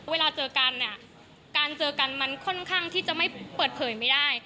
เวลาเจอกันเนี่ยการเจอกันมันค่อนข้างที่จะไม่เปิดเผยไม่ได้